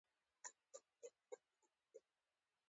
د زایمان د درد لپاره ګرم کمپرس وکاروئ